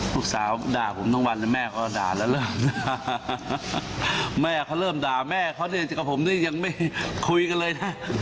ลูกสาวด่าผมทั้งวันแม่ก็ด่าแล้วเริ่มนะแม่เขาเริ่มด่าแม่เขาเนี่ยกับผมนี่ยังไม่คุยกันเลยนะ